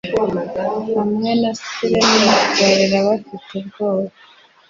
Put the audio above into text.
hamwe na sirena barira bafite ubwoba